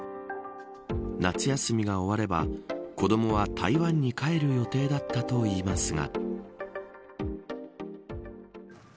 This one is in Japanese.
夏休みが終われば子どもは台湾に帰る予定だったといいますが。